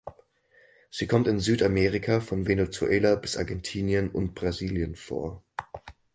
Sie kommt in Südamerika von Venezuela bis Argentinien und Brasilien vor.